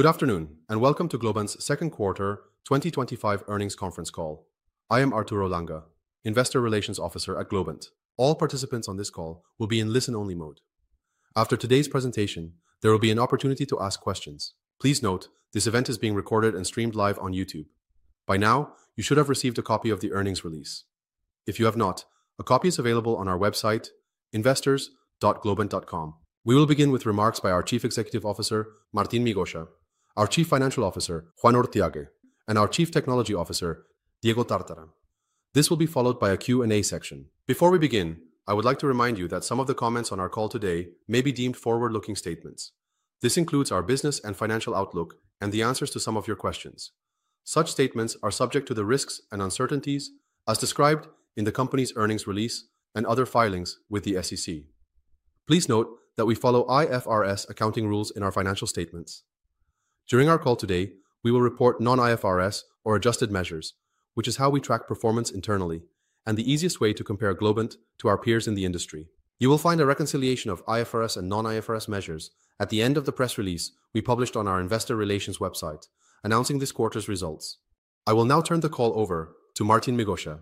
Good afternoon and welcome to Globant's second quarter 2025 earnings conference call. I am Arturo Langa, Investor Relations Officer at Globant. All participants on this call will be in listen-only mode. After today's presentation, there will be an opportunity to ask questions. Please note, this event is being recorded and streamed live on YouTube. By now, you should have received a copy of the earnings release. If you have not, a copy is available on our website, investors.globant.com. We will begin with remarks by our Chief Executive Officer, Martín Migoya, our Chief Financial Officer, Juan Urthiague, and our Chief Technology Officer, Diego Tártara. This will be followed by a Q&A section. Before we begin, I would like to remind you that some of the comments on our call today may be deemed forward-looking statements. This includes our business and financial outlook and the answers to some of your questions. Such statements are subject to the risks and uncertainties as described in the company's earnings release and other filings with the SEC. Please note that we follow IFRS accounting rules in our financial statements. During our call today, we will report non-IFRS or adjusted measures, which is how we track performance internally and the easiest way to compare Globant to our peers in the industry. You will find a reconciliation of IFRS and non-IFRS measures at the end of the press release we published on our Investor Relations website, announcing this quarter's results. I will now turn the call over to Martín Migoya.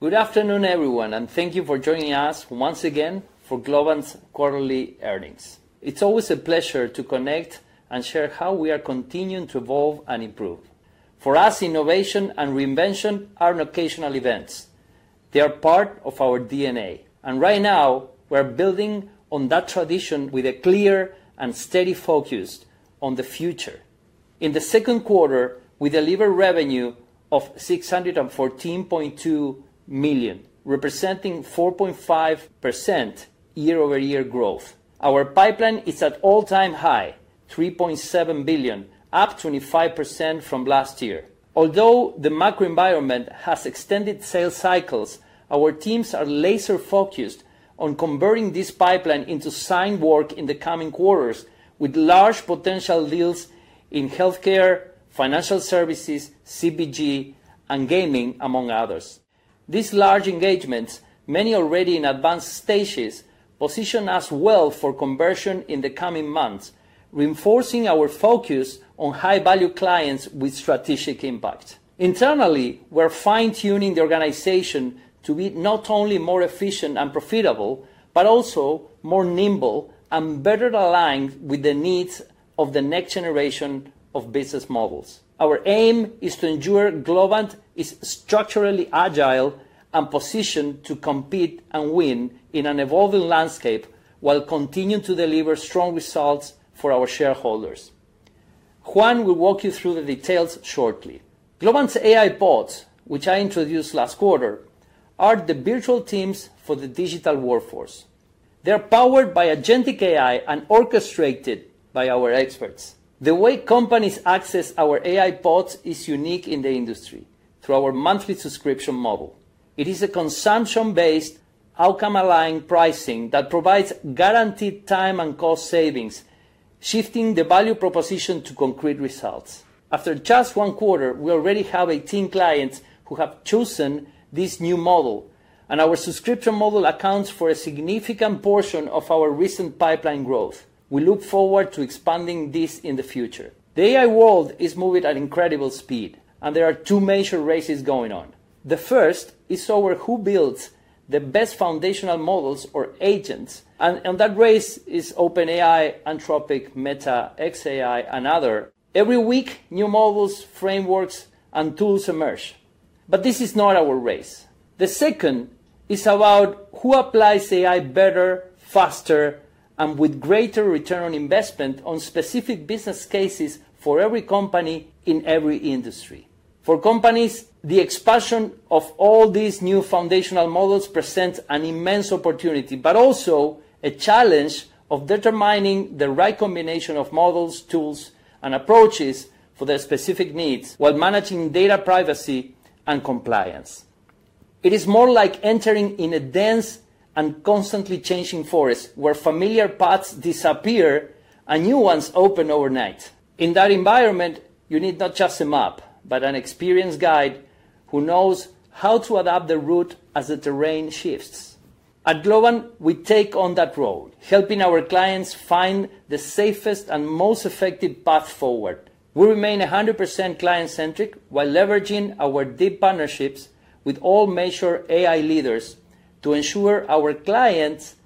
Good afternoon, everyone, and thank you for joining us once again for Globant's quarterly earnings. It's always a pleasure to connect and share how we are continuing to evolve and improve. For us, innovation and reinvention are not occasional events. They are part of our DNA. Right now, we're building on that tradition with a clear and steady focus on the future. In the second quarter, we delivered revenue of $614.2 million, representing 4.5% year-over-year growth. Our pipeline is at an all-time high, $3.7 billion, up 25% from last year. Although the macro environment has extended sales cycles, our teams are laser-focused on converting this pipeline into signed work in the coming quarters, with large potential deals in healthcare, financial services, CPG, and gaming, among others. These large engagements, many already in advanced stages, position us well for conversion in the coming months, reinforcing our focus on high-value clients with strategic impact. Internally, we're fine-tuning the organization to be not only more efficient and profitable, but also more nimble and better aligned with the needs of the next generation of business models. Our aim is to ensure Globant is structurally agile and positioned to compete and win in an evolving landscape while continuing to deliver strong results for our shareholders. Juan will walk you through the details shortly. Globant's AI bots, which I introduced last quarter, are the virtual teams for the digital workforce. They're powered by Agentic AI and orchestrated by our experts. The way companies access our AI bots is unique in the industry through our monthly subscription model. It is a consumption-based, outcome-aligned pricing that provides guaranteed time and cost savings, shifting the value proposition to concrete results. After just one quarter, we already have 18 clients who have chosen this new model, and our subscription model accounts for a significant portion of our recent pipeline growth. We look forward to expanding this in the future. The AI world is moving at an incredible speed, and there are two major races going on. The first is over who builds the best foundational models or agents, and that race is OpenAI, Anthropic, Meta, xAI, and others. Every week, new models, frameworks, and tools emerge. This is not our race. The second is about who applies AI better, faster, and with greater return on investment on specific business cases for every company in every industry. For companies, the expansion of all these new foundational models presents an immense opportunity, but also a challenge of determining the right combination of models, tools, and approaches for their specific needs while managing data privacy and compliance. It is more like entering a dense and constantly changing forest where familiar paths disappear and new ones open overnight. In that environment, you need not just a map, but an experienced guide who knows how to adapt the route as the terrain shifts. At Globant, we take on that role, helping our clients find the safest and most effective path forward. We remain 100% client-centric while leveraging our deep partnerships with all major AI leaders to ensure our clients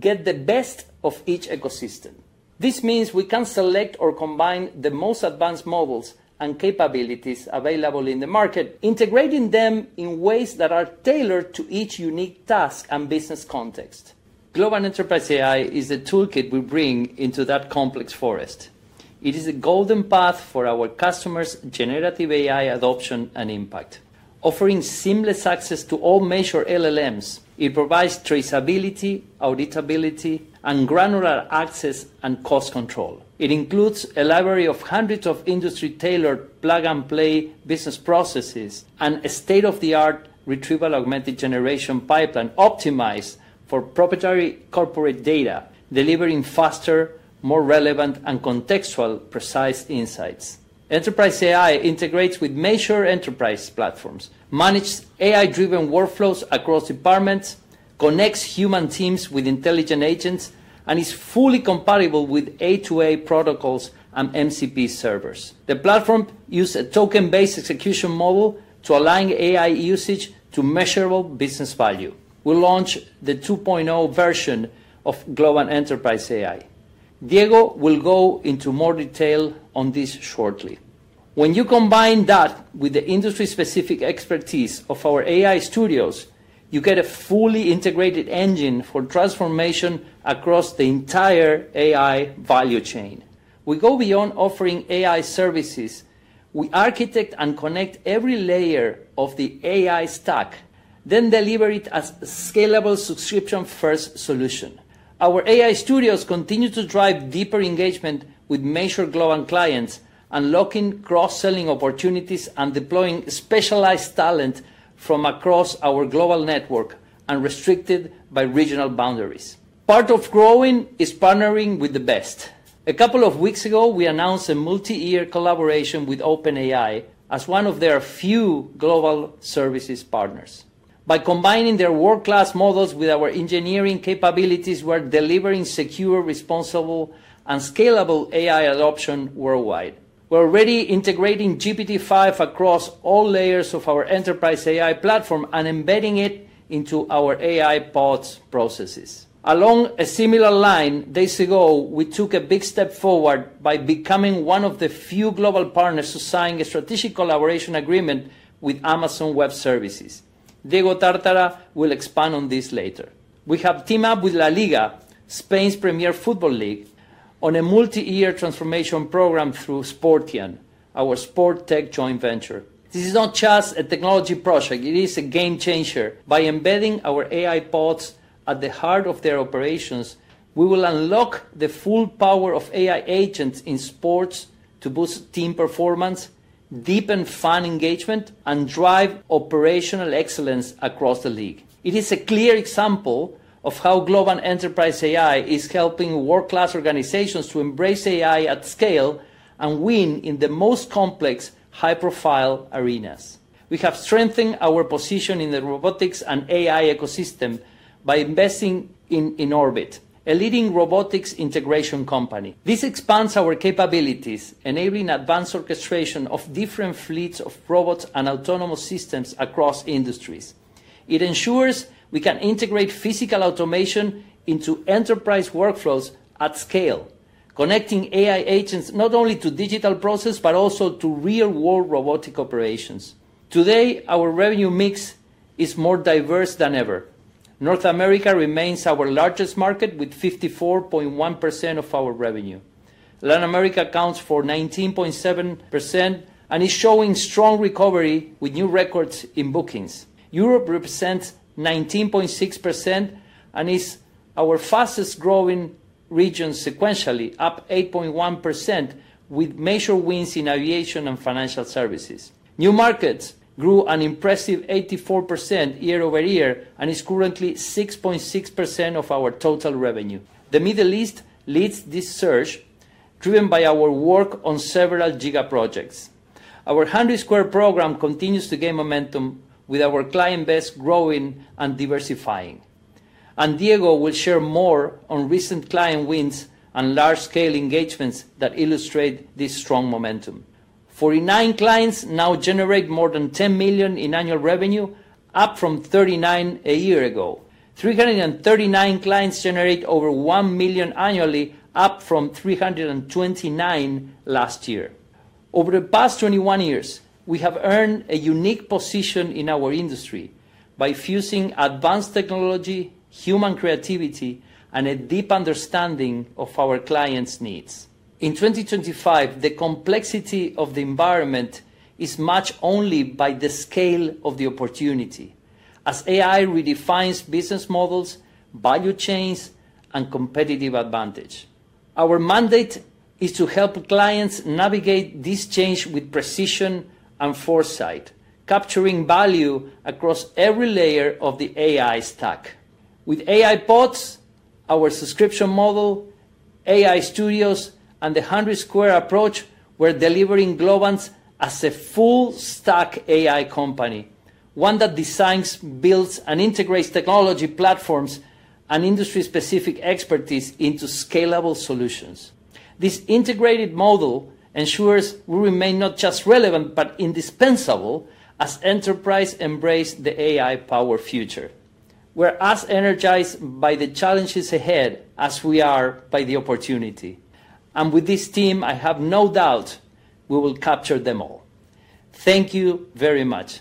get the best of each ecosystem. This means we can select or combine the most advanced models and capabilities available in the market, integrating them in ways that are tailored to each unique task and business context. Globant Enterprise AI is the toolkit we bring into that complex forest. It is the golden path for our customers' generative AI adoption and impact. Offering seamless access to all major LLMs, it provides traceability, auditability, and granular access and cost control. It includes a library of hundreds of industry-tailored, plug-and-play business processes and a state-of-the-art Retrieval-Augmented Generation pipeline optimized for proprietary corporate data, delivering faster, more relevant, and contextually precise insights. Enterprise AI integrates with major enterprise platforms, manages AI-driven workflows across departments, connects human teams with intelligent agents, and is fully compatible with A2A protocols and MCP servers. The platform uses a token-based execution model to align AI usage to measurable business value. We'll launch the 2.0 version of Globant Enterprise AI. Diego will go into more detail on this shortly. When you combine that with the industry-specific expertise of our AI studios, you get a fully integrated engine for transformation across the entire AI value chain. We go beyond offering AI services. We architect and connect every layer of the AI stack, then deliver it as a scalable subscription-first solution. Our AI studios continue to drive deeper engagement with major Globant clients, unlocking cross-selling opportunities and deploying specialized talent from across our global network, unrestricted by regional boundaries. Part of growing is partnering with the best. A couple of weeks ago, we announced a multi-year collaboration with OpenAI as one of their few global services partners. By combining their world-class models with our engineering capabilities, we're delivering secure, responsible, and scalable AI adoption worldwide. We're already integrating GPT-5 across all layers of our Enterprise AI platform and embedding it into our AI bots processes. Along a similar line, days ago, we took a big step forward by becoming one of the few global partners to sign a strategic collaboration agreement with Amazon Web Services. Diego Tártara will expand on this later. We have teamed up with La Liga, Spain's premier football league, on a multi-year transformation program through Sportian, our sport tech joint venture. This is not just a technology project. It is a game-changer. By embedding our AI bots at the heart of their operations, we will unlock the full power of AI agents in sports to boost team performance, deepen fan engagement, and drive operational excellence across the league. It is a clear example of how Globant Enterprise AI is helping world-class organizations to embrace AI at scale and win in the most complex, high-profile arenas. We have strengthened our position in the robotics and AI ecosystem by investing in Inorbit, a leading robotics integration company. This expands our capabilities, enabling advanced orchestration of different fleets of robots and autonomous systems across industries. It ensures we can integrate physical automation into enterprise workflows at scale, connecting AI agents not only to digital processes but also to real-world robotic operations. Today, our revenue mix is more diverse than ever. North America remains our largest market with 54.1% of our revenue. Latin America accounts for 19.7% and is showing strong recovery with new records in bookings. Europe represents 19.6% and is our fastest-growing region sequentially, up 8.1%, with major wins in aviation and financial services. New markets grew an impressive 84% year-over-year and is currently 6.6% of our total revenue. The Middle East leads this surge, driven by our work on several giga projects. Our 100-square program continues to gain momentum with our client base growing and diversifying. Diego will share more on recent client wins and large-scale engagements that illustrate this strong momentum. 49 clients now generate more than $10 million in annual revenue, up from 39 a year ago. 339 clients generate over $1 million annually, up from 329 last year. Over the past 21 years, we have earned a unique position in our industry by fusing advanced technology, human creativity, and a deep understanding of our clients' needs. In 2025, the complexity of the environment is matched only by the scale of the opportunity as AI redefines business models, value chains, and competitive advantage. Our mandate is to help clients navigate this change with precision and foresight, capturing value across every layer of the AI stack. With AI bots, our AI-powered subscription model, AI studios, and the 100-square approach, we're delivering Globant as a full-stack AI company, one that designs, builds, and integrates technology platforms and industry-specific expertise into scalable solutions. This integrated model ensures we remain not just relevant but indispensable as enterprises embrace the AI-powered future. We're as energized by the challenges ahead as we are by the opportunity. With this team, I have no doubt we will capture them all. Thank you very much.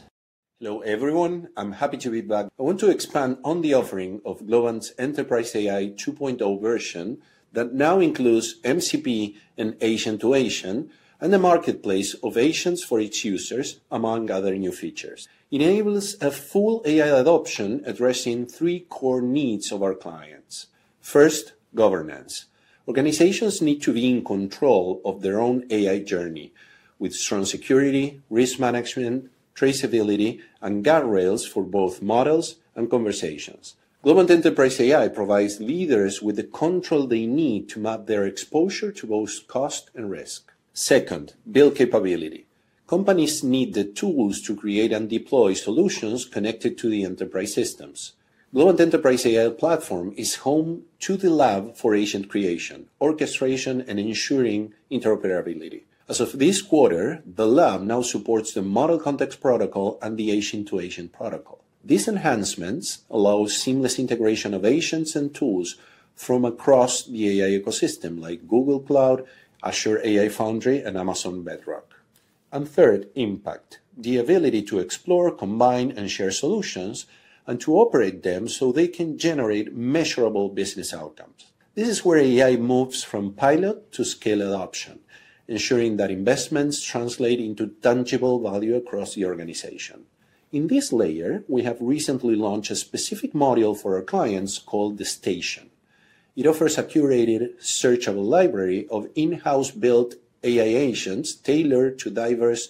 Hello everyone. I'm happy to be back. I want to expand on the offering of Globant Enterprise AI 2.0 version that now includes MCP and agent-to-agent and the marketplace of agents for its users, among other new features. It enables a full AI adoption, addressing three core needs of our clients. First, governance. Organizations need to be in control of their own AI journey with strong security, risk management, traceability, and guardrails for both models and conversations. Globant Enterprise AI provides leaders with the control they need to map their exposure to both cost and risk. Second, build capability. Companies need the tools to create and deploy solutions connected to the enterprise systems. Globant Enterprise AI platform is home to the lab for agent creation, orchestration, and ensuring interoperability. As of this quarter, the lab now supports the Model Context Protocol and the Agent2Agent protocol. These enhancements allow seamless integration of agents and tools from across the AI ecosystem like Google Cloud, Azure AI Foundry, and Amazon Bedrock. Third, impact. The ability to explore, combine, and share solutions and to operate them so they can generate measurable business outcomes. This is where AI moves from pilot to scale adoption, ensuring that investments translate into tangible value across the organization. In this layer, we have recently launched a specific model for our clients called the Station. It offers a curated, searchable library of in-house built AI agents tailored to diverse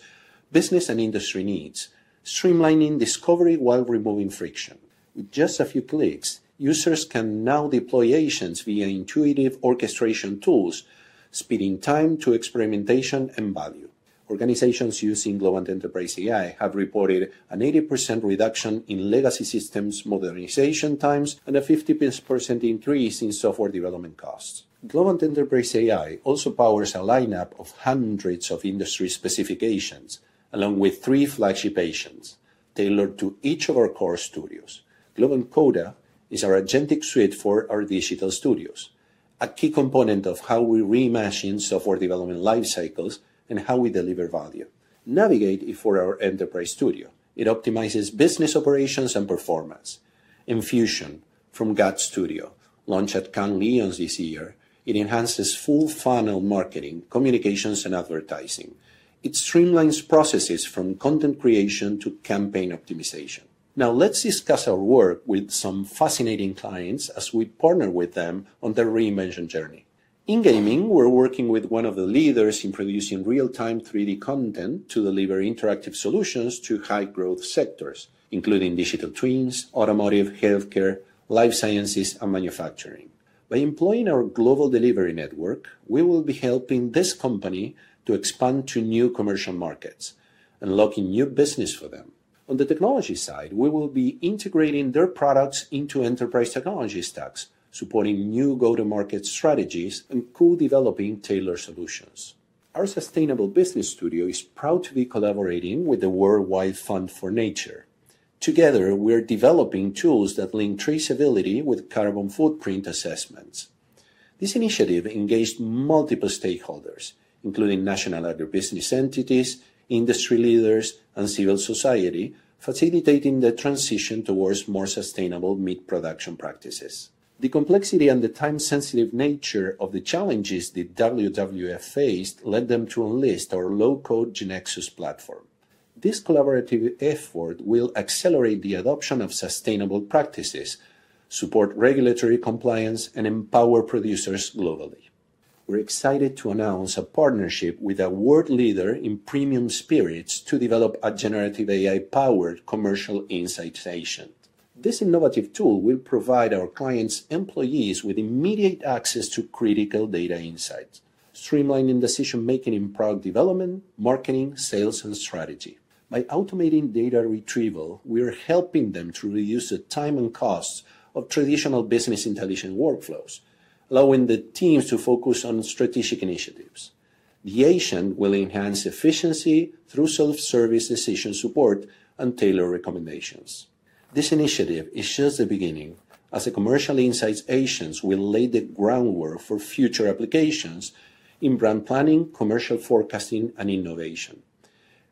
business and industry needs, streamlining discovery while removing friction. With just a few clicks, users can now deploy agents via intuitive orchestration tools, speeding time to experimentation and value. Organizations using Globant Enterprise AI have reported an 80% reduction in legacy systems modernization times and a 50% increase in software development costs. Globant Enterprise AI also powers a lineup of hundreds of industry specifications, along with three flagship agents tailored to each of our core studios. Globant CODA is our Agentic suite for our digital studios, a key component of how we reimagine software development lifecycles and how we deliver value. Navigate is for our enterprise studio. It optimizes business operations and performance. Fusion from GUT Studio, launched at Cannes Lions this year, enhances full funnel marketing, communications, and advertising. It streamlines processes from content creation to campaign optimization. Now, let's discuss our work with some fascinating clients as we partner with them on their reinvention journey. In gaming, we're working with one of the leaders in producing real-time 3D content to deliver interactive solutions to high-growth sectors, including digital twins, automotive, healthcare, life sciences, and manufacturing. By employing our global delivery network, we will be helping this company to expand to new commercial markets, unlocking new business for them. On the technology side, we will be integrating their products into enterprise technology stacks, supporting new go-to-market strategies, and co-developing tailored solutions. Our Sustainable Business Studio is proud to be collaborating with the Worldwide Fund for Nature. Together, we're developing tools that link traceability with carbon footprint assessments. This initiative engaged multiple stakeholders, including national and other business entities, industry leaders, and civil society, facilitating the transition towards more sustainable meat production practices. The complexity and the time-sensitive nature of the challenges the WWF faced led them to enlist our Low-Code GeneXus platform. This collaborative effort will accelerate the adoption of sustainable practices, support regulatory compliance, and empower producers globally. We're excited to announce a partnership with a world leader in premium spirits to develop a generative AI-powered commercial insights agent. This innovative tool will provide our clients' employees with immediate access to critical data insights, streamlining decision-making in product development, marketing, sales, and strategy. By automating data retrieval, we're helping them to reduce the time and costs of traditional business intelligence workflows, allowing the teams to focus on strategic initiatives. The agent will enhance efficiency through self-service decision support and tailored recommendations. This initiative is just the beginning, as the commercial insights agents will lay the groundwork for future applications in brand planning, commercial forecasting, and innovation.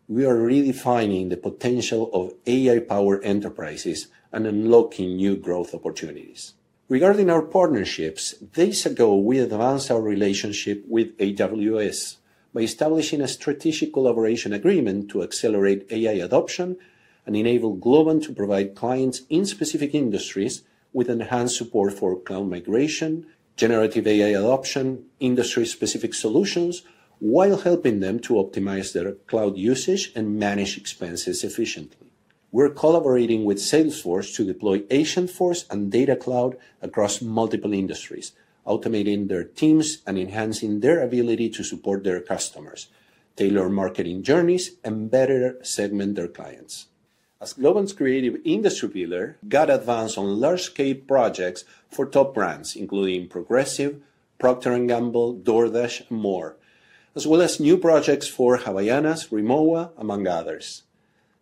We are redefining the potential of AI-powered enterprises and unlocking new growth opportunities. Regarding our partnerships, days ago, we advanced our relationship with AWS by establishing a strategic collaboration agreement to accelerate AI adoption and enable Globant to provide clients in specific industries with enhanced support for cloud migration, generative AI adoption, industry-specific solutions, while helping them to optimize their cloud usage and manage expenses efficiently. We're collaborating with Salesforce to deploy Agentforce and Data Cloud across multiple industries, automating their teams and enhancing their ability to support their customers, tailor marketing journeys, and better segment their clients. As Globant's creative industry pillar, GUT advanced on large-scale projects for top brands, including Progressive, Procter & Gamble, DoorDash, and more, as well as new projects for Havaianas, [Remoa], among others.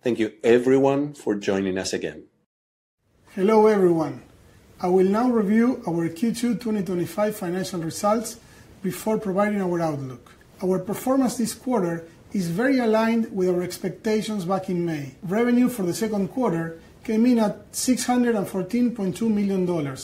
Thank you, everyone, for joining us again. Hello, everyone. I will now review our Q2 2025 financial results before providing our outlook. Our performance this quarter is very aligned with our expectations back in May. Revenue for the second quarter came in at $614.2 million,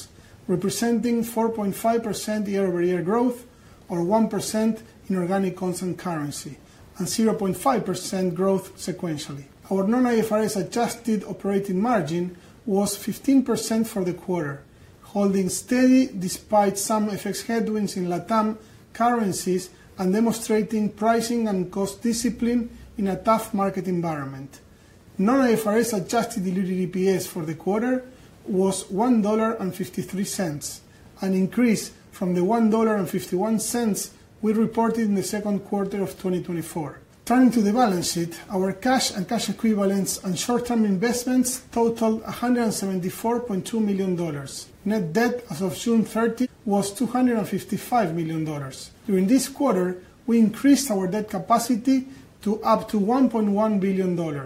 representing 4.5% year-over-year growth or 1% in organic constant currency and 0.5% growth sequentially. Our non-IFRS adjusted operating margin was 15% for the quarter, holding steady despite some FX headwinds in Latin American currencies and demonstrating pricing and cost discipline in a tough market environment. Non-IFRS adjusted delivery EPS for the quarter was $1.53, an increase from the $1.51 we reported in the second quarter of 2024. Turning to the balance sheet, our cash and cash equivalents and short-term investments totaled $174.2 million. Net debt as of June 30 was $255 million. During this quarter, we increased our debt capacity to up to $1.1 billion.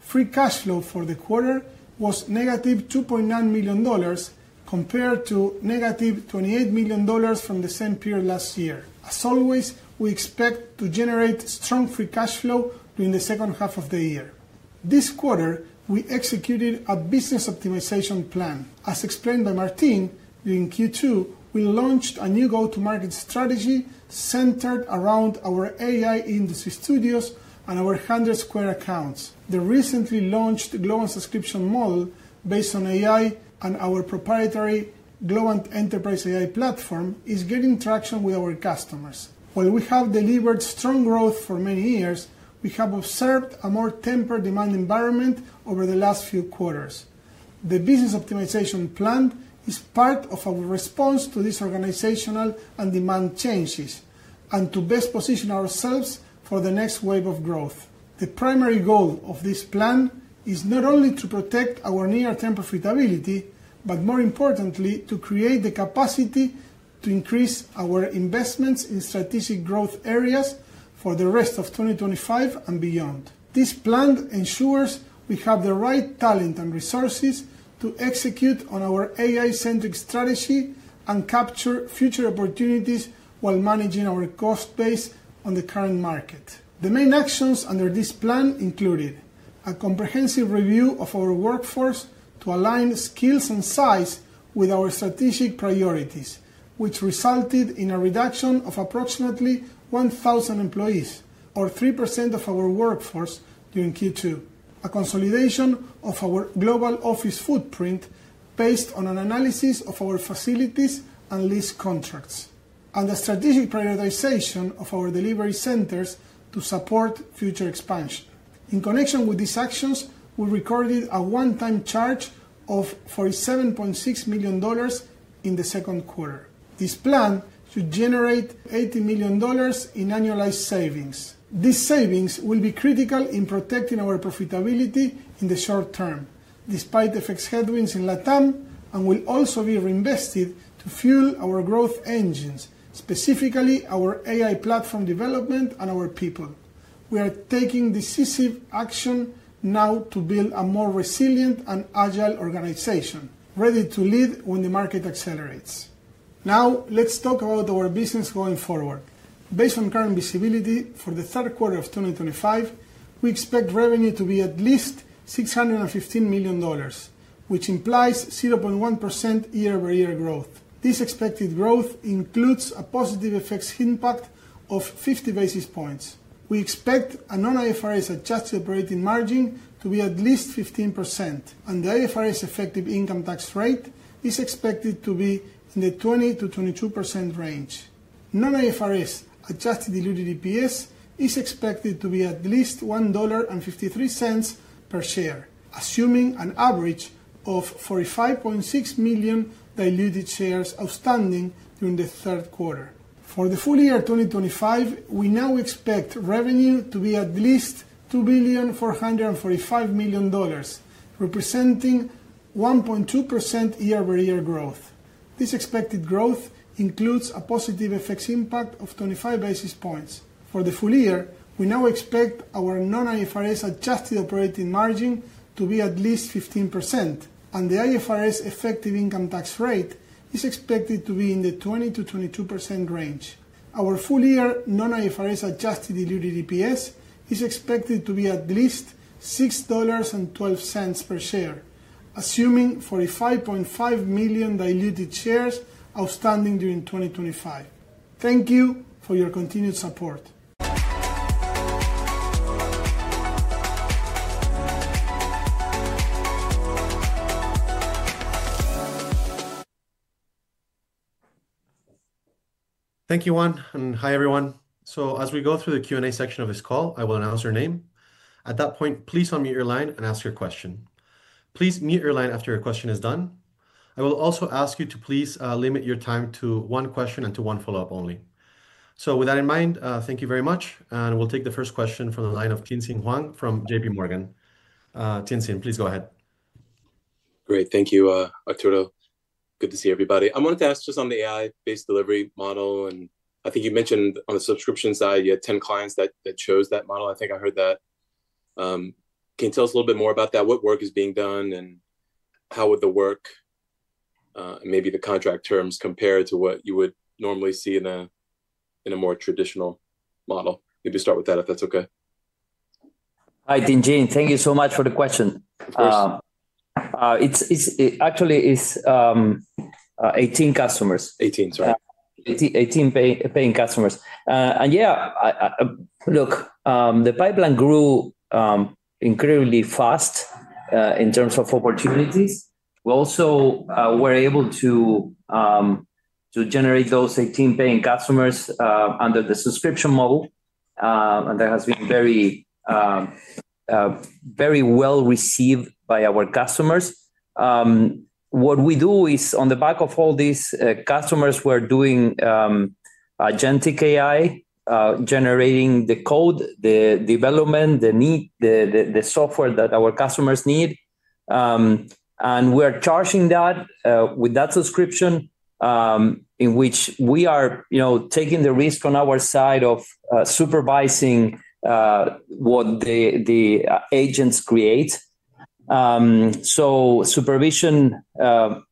Free cash flow for the quarter was -$2.9 million compared to -$28 million from the same period last year. As always, we expect to generate strong free cash flow during the second half of the year. This quarter, we executed a business optimization plan. As explained by Martín, during Q2, we launched a new go-to-market strategy centered around our industry-specific studios and our 100-square accounts. The recently launched AI-powered subscription model, based on AI and our proprietary Globant Enterprise AI platform, is gaining traction with our customers. While we have delivered strong growth for many years, we have observed a more tempered demand environment over the last few quarters. The business optimization plan is part of our response to these organizational and demand changes and to best position ourselves for the next wave of growth. The primary goal of this plan is not only to protect our near-term profitability, but more importantly, to create the capacity to increase our investments in strategic growth areas for the rest of 2025 and beyond. This plan ensures we have the right talent and resources to execute on our AI-centric strategy and capture future opportunities while managing our cost base in the current market. The main actions under this plan included a comprehensive review of our workforce to align skills and size with our strategic priorities, which resulted in a reduction of approximately 1,000 employees or 3% of our workforce during Q2. A consolidation of our global office footprint based on an analysis of our facilities and lease contracts, and a strategic prioritization of our delivery centers to support future expansion. In connection with these actions, we recorded a one-time charge of $47.6 million in the second quarter. This plan should generate $80 million in annualized savings. These savings will be critical in protecting our profitability in the short term, despite the FX headwinds in Latin America, and will also be reinvested to fuel our growth engines, specifically our AI platform development and our people. We are taking decisive action now to build a more resilient and agile organization, ready to lead when the market accelerates. Now, let's talk about our business going forward. Based on current visibility for the third quarter of 2025, we expect revenue to be at least $615 million, which implies 0.1% year-over-year growth. This expected growth includes a positive FX impact of 50 basis points. We expect a non-IFRS adjusted operating margin to be at least 15%, and the IFRS effective income tax rate is expected to be in the 20%-22% range. Non-IFRS adjusted diluted EPS is expected to be at least $1.53 per share, assuming an average of 45.6 million diluted shares outstanding during the third quarter. For the full year 2025, we now expect revenue to be at least $2.445 billion, representing 1.2% year-over-year growth. This expected growth includes a positive FX impact of 25 basis points. For the full year, we now expect our non-IFRS adjusted operating margin to be at least 15%, and the IFRS effective income tax rate is expected to be in the 20%-22% range. Our full year non-IFRS adjusted diluted EPS is expected to be at least $6.12 per share, assuming 45.5 million diluted shares outstanding during 2025. Thank you for your continued support. Thank you, Juan, and hi, everyone. As we go through the Q&A section of this call, I will announce your name. At that point, please unmute your line and ask your question. Please mute your line after your question is done. I will also ask you to please limit your time to one question and to one follow-up only. With that in mind, thank you very much. We'll take the first question from the line of Tien-tsin Huang from JPMorgan. Tien-tsin, please go ahead. Great. Thank you, Arturo. Good to see everybody. I wanted to ask just on the AI-powered subscription model, and I think you mentioned on the subscription side, you had 10 clients that chose that model. I think I heard that. Can you tell us a little bit more about that? What work is being done, and how would the work and maybe the contract terms compare to what you would normally see in a more traditional model? Maybe start with that, if that's okay. Hi, Tien-tsin. Thank you so much for the question. Yes. It's actually 18 customers. 18, sorry. 18 paying customers. Yeah, look, the pipeline grew incredibly fast in terms of opportunities. We also were able to generate those 18 paying customers under the AI-powered subscription model, and that has been very well received by our customers. What we do is, on the back of all these customers, we're doing Agentic AI, generating the code, the development, the need, the software that our customers need. We are charging that with that subscription, in which we are taking the risk on our side of supervising what the AI agents create. Supervision,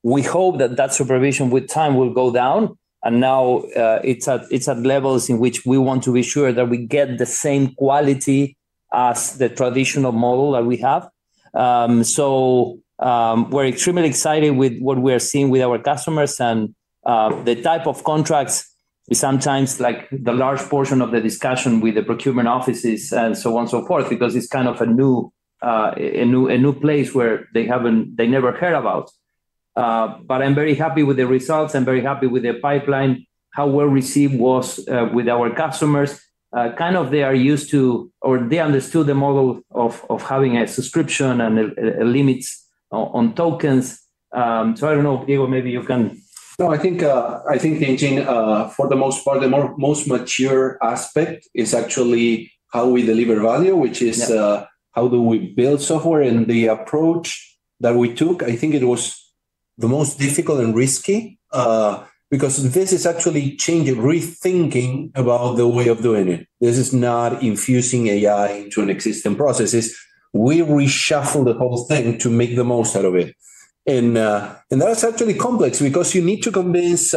we hope that that supervision with time will go down. Now, it's at levels in which we want to be sure that we get the same quality as the traditional model that we have. We're extremely excited with what we are seeing with our customers and the type of contracts. We sometimes like the large portion of the discussion with the procurement offices and so on and so forth because it's kind of a new place where they never heard about. I'm very happy with the results. I'm very happy with the pipeline, how well received it was with our customers. They are used to or they understood the model of having a subscription and limits on tokens. I don't know, Diego, maybe you can. No, I think, Tien-tsin, for the most part, the most mature aspect is actually how we deliver value, which is how do we build software and the approach that we took. I think it was the most difficult and risky because this is actually changing, rethinking about the way of doing it. This is not infusing AI into an existing process. We reshuffle the whole thing to make the most out of it. That is actually complex because you need to convince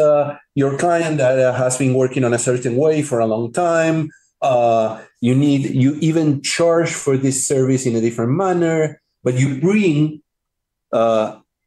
your client that it has been working in a certain way for a long time. You even charge for this service in a different manner. You bring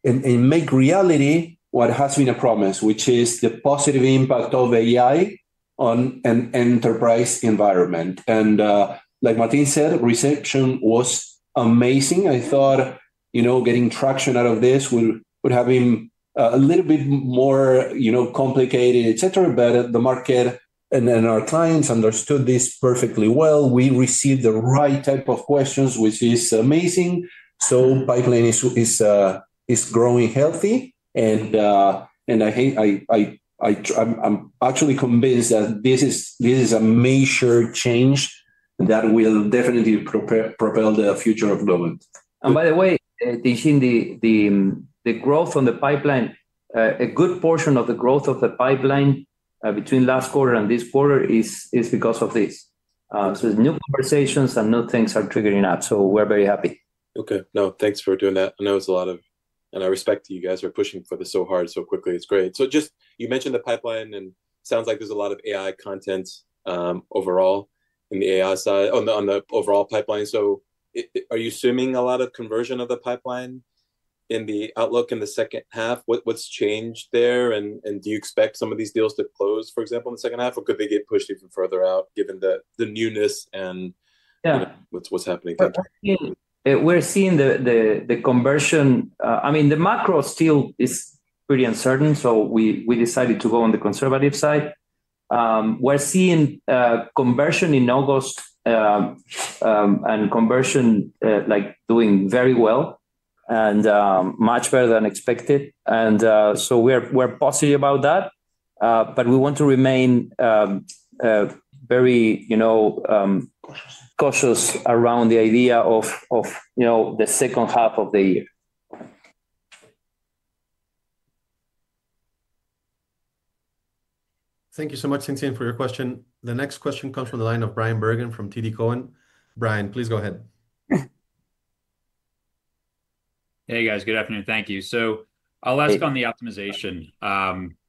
and make reality what has been a promise, which is the positive impact of AI on an enterprise environment. Like Martín said, reception was amazing. I thought getting traction out of this would have been a little bit more complicated, et cetera. The market and our clients understood this perfectly well. We received the right type of questions, which is amazing. The pipeline is growing healthy. I think I'm actually convinced that this is a major change that will definitely propel the future of Globant. By the way, Tien-tsin, the growth on the pipeline, a good portion of the growth of the pipeline between last quarter and this quarter is because of this. New conversations and new things are triggering up. We're very happy. No, thanks for doing that. I know it's a lot, and I respect that you guys are pushing for this so hard so quickly. It's great. You mentioned the pipeline, and it sounds like there's a lot of AI content overall in the AI side on the overall pipeline. Are you assuming a lot of conversion of the pipeline in the outlook in the second half? What's changed there? Do you expect some of these deals to close, for example, in the second half? Could they get pushed even further out given the newness and what's happening? Yeah. We're seeing the conversion. I mean, the macro still is pretty uncertain, so we decided to go on the conservative side. We're seeing conversion in August and conversion like doing very well and much better than expected. We're positive about that. We want to remain very cautious around the idea of the second half of the year. Thank you so much, Tien-tsin, for your question. The next question comes from the line of Bryan Bergin from TD Cowen. Bryan, please go ahead. Hey, guys. Good afternoon. Thank you. I'll ask on the optimization.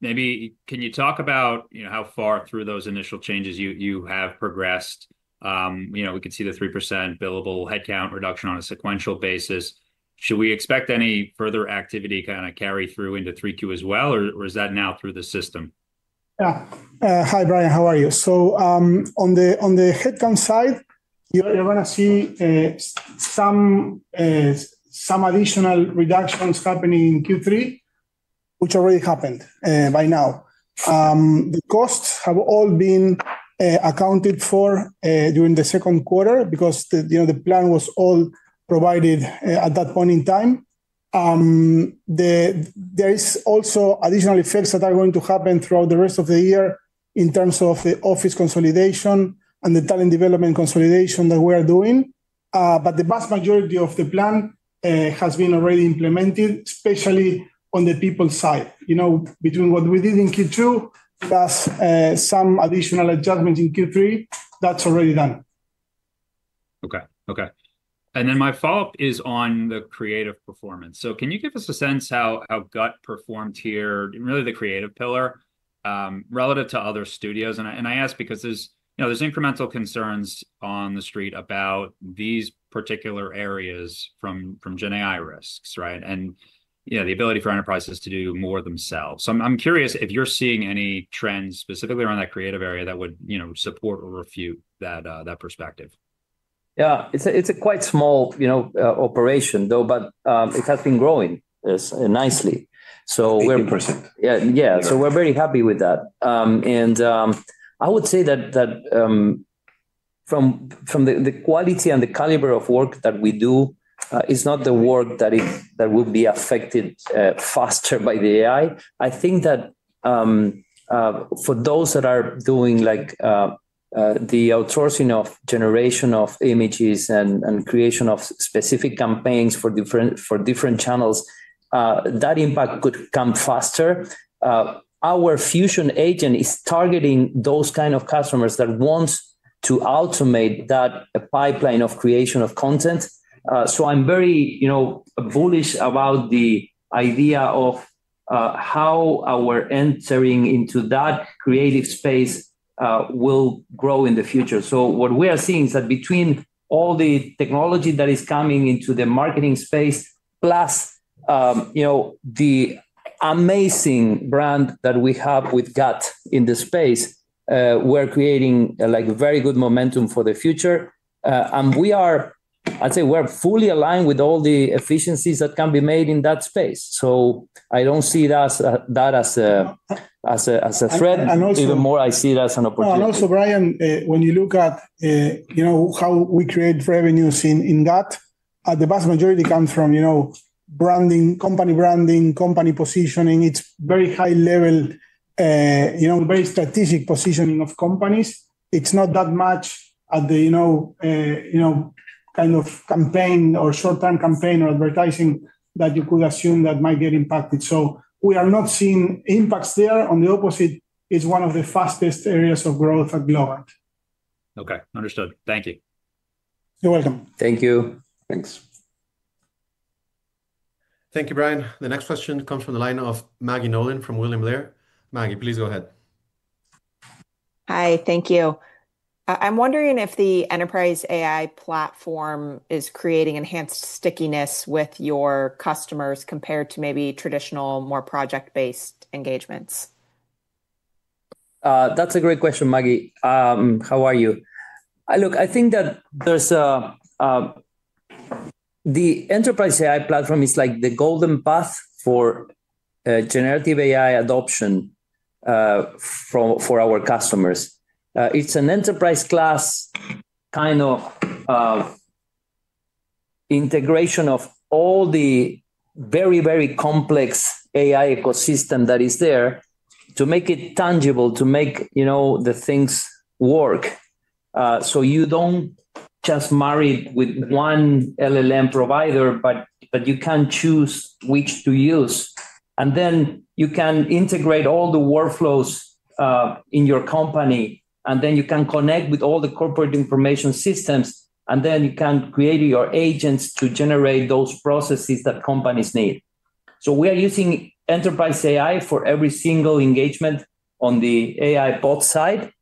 Maybe can you talk about how far through those initial changes you have progressed? We can see the 3% billable headcount reduction on a sequential basis. Should we expect any further activity kind of carry through into 3Q as well, or is that now through the system? Yeah. Hi, Bryan. How are you? On the headcount side, you're going to see some additional reductions happening in Q3, which already happened by now. The costs have all been accounted for during the second quarter because the plan was all provided at that point in time. There are also additional effects that are going to happen throughout the rest of the year in terms of the office consolidation and the talent development consolidation that we are doing. The vast majority of the plan has been already implemented, especially on the people side. You know, between what we did in Q2 plus some additional adjustments in Q3, that's already done. okay. My follow-up is on the creative performance. Can you give us a sense how GUT performed here, really the creative pillar relative to other studios? I ask because there's incremental concerns on the street about these particular areas from generative AI risks, right, and the ability for enterprises to do more themselves. I'm curious if you're seeing any trends specifically around that creative area that would support or refute that perspective. Yeah, it's a quite small operation, though, but it has been growing nicely. 100%. Yeah, we're very happy with that. I would say that from the quality and the caliber of work that we do, it's not the work that would be affected faster by the AI. I think that for those that are doing the outsourcing of generation of images and creation of specific campaigns for different channels, that impact could come faster. Our Fusion agent is targeting those kinds of customers that want to automate that pipeline of creation of content. I'm very bullish about the idea of how our entering into that creative space will grow in the future. What we are seeing is that between all the technology that is coming into the marketing space plus the amazing brand that we have with GUT in the space, we're creating very good momentum for the future. I'd say we are fully aligned with all the efficiencies that can be made in that space. I don't see that as a threat. Even more, I see it as an opportunity. When you look at how we create revenues in GUT, the vast majority comes from company branding, company positioning. It's very high-level, very strategic positioning of companies. It's not that much at the kind of campaign or short-term campaign or advertising that you could assume that might get impacted. We are not seeing impacts there. On the opposite, it's one of the fastest areas of growth at Globant. okay. Understood. Thank you. You're welcome. Thank you. Thanks. Thank you, Bryan. The next question comes from the line of Maggie Nolan from William Blair. Maggie, please go ahead. Hi. Thank you. I'm wondering if the Enterprise AI platform is creating enhanced stickiness with your customers compared to maybe traditional, more project-based engagements. That's a great question, Maggie. How are you? Look, I think that the Enterprise AI platform is like the golden path for generative AI adoption for our customers. It's an enterprise-class kind of integration of all the very, very complex AI ecosystem that is there to make it tangible, to make the things work. You don't just marry it with one LLM provider, but you can choose which to use. You can integrate all the workflows in your company, and you can connect with all the corporate information systems, and you can create your agents to generate those processes that companies need. We are using Enterprise AI for every single engagement on the AI bot side.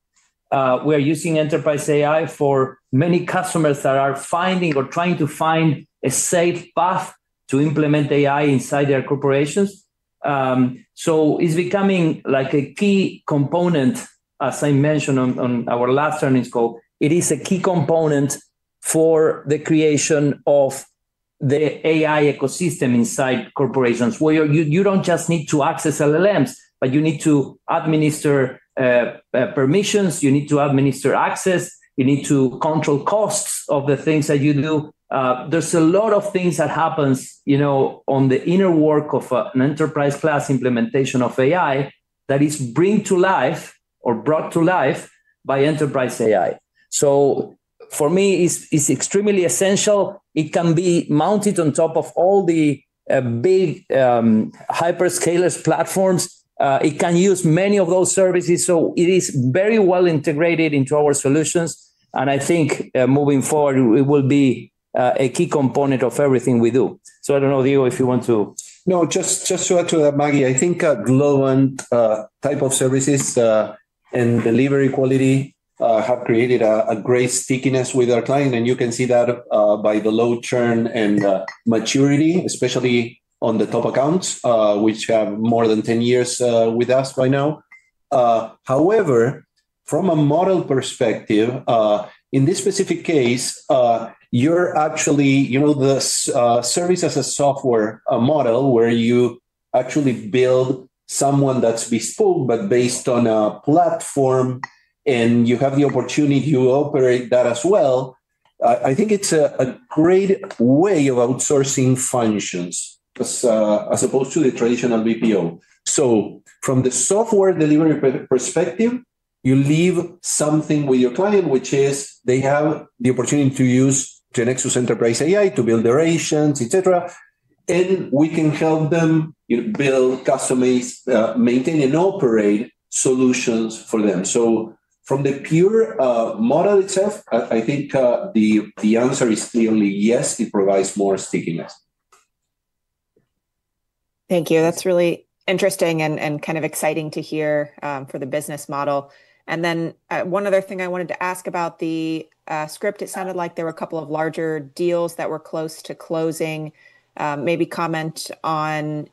We are using Enterprise AI for many customers that are finding or trying to find a safe path to implement AI inside their corporations. It's becoming a key component, as I mentioned on our last earnings call. It is a key component for the creation of the AI ecosystem inside corporations, where you don't just need to access LLMs, but you need to administer permissions, you need to administer access, you need to control costs of the things that you do. There's a lot of things that happen on the inner work of an enterprise-class implementation of AI that is brought to life by Enterprise AI. For me, it's extremely essential. It can be mounted on top of all the big hyperscalers' platforms. It can use many of those services. It is very well integrated into our solutions. I think moving forward, it will be a key component of everything we do. I don't know, Diego, if you want to. No, just to add to that, Maggie, I think Globant's type of services and delivery quality have created a great stickiness with our client. You can see that by the low churn and maturity, especially on the top accounts, which have more than 10 years with us right now. However, from a model perspective, in this specific case, you're actually the service as a software model where you actually build someone that's bespoke, but based on a platform, and you have the opportunity to operate that as well. I think it's a great way of outsourcing functions as opposed to the traditional BPO. From the software delivery perspective, you leave something with your client, which is they have the opportunity to use GeneXus Enterprise AI to build their agents, et cetera. We can help them build, customize, maintain, and operate solutions for them. From the core model itself, I think the answer is clearly yes. It provides more stickiness. Thank you. That's really interesting and kind of exciting to hear for the business model. One other thing I wanted to ask about the script. It sounded like there were a couple of larger deals that were close to closing. Maybe comment on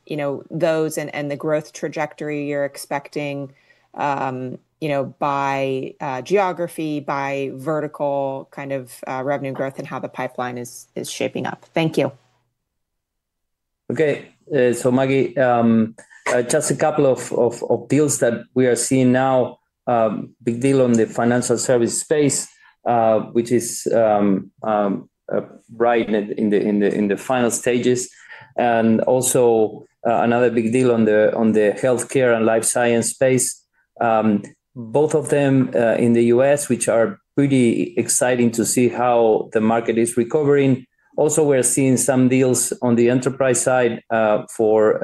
those and the growth trajectory you're expecting by geography, by vertical kind of revenue growth, and how the pipeline is shaping up. Thank you. okay. Maggie, just a couple of deals that we are seeing now. Big deal on the financial service space, which is right in the final stages. Also, another big deal on the healthcare and life science space. Both of them in the U.S., which are pretty exciting to see how the market is recovering. We are seeing some deals on the enterprise side for